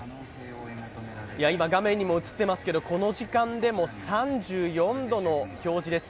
今、画面にも映っていますけどこの時間でも３４度の表示です。